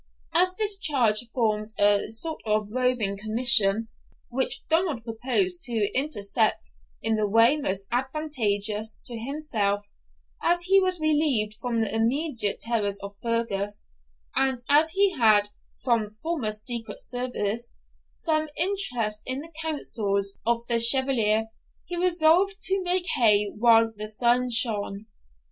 As this charge formed a sort of roving commission, which Donald proposed to interpret in the way most advantageous to himself, as he was relieved from the immediate terrors of Fergus, and as he had, from former secret services, some interest in the councils of the Chevalier, he resolved to make hay while the sun shone.